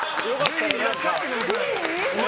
ぜひいらっしゃってください。